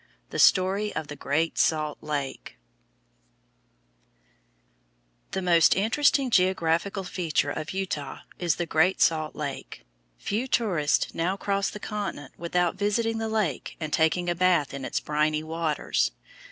THE STORY OF GREAT SALT LAKE The most interesting geographical feature of Utah is the Great Salt Lake. Few tourists now cross the continent without visiting the lake and taking a bath in its briny waters.